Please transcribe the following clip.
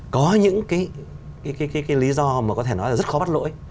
có những cái lý do mà có thể nói là rất khó bắt lỗi